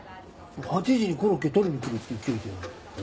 ８時にコロッケ取りに来るって言っといてよ。